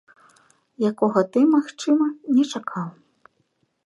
Якога ты, магчыма, не чакаў.